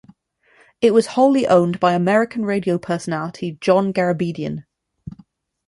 It was wholly owned by American radio personality John Garabedian.